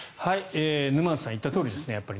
沼津さんが言ったとおりですね。